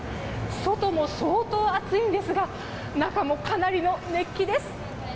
外も相当暑いんですが中もかなりの熱気です。